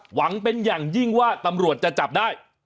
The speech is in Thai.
หวังเป็นอย่างยิ่งว่าตำรวจจะจับได้